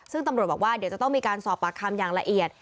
ซึ่งตำรวจบอกว่าเดี๋ยวจะต้องมีการสอบปากคำอย่างละเอียด